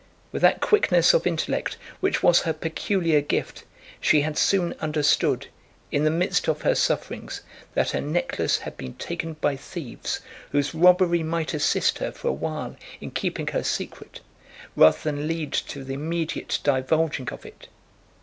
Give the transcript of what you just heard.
With that quickness of intellect which was her peculiar gift, she had soon understood, in the midst of her sufferings, that her necklace had been taken by thieves whose robbery might assist her for a while in keeping her secret, rather than lead to the immediate divulging of it.